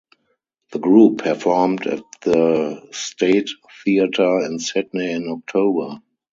The group performed at the State Theatre in Sydney in October.